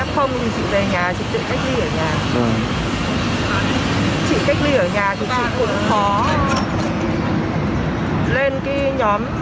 khi bị f thì chị về nhà chị tự cách ly ở nhà